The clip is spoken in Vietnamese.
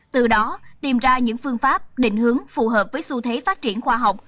từ đó tìm ra những phương pháp định hướng phù hợp với xu thế phát triển khoa học